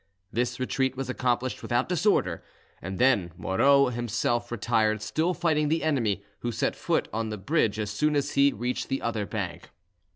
This retreat was accomplished without disorder, and then Moreau himself retired, still fighting the enemy, who set foot on the bridge as soon as he reached the other bank.